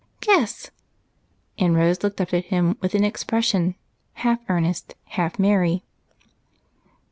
"Guess!" and Rose looked up at him with an expression half earnest, half merry.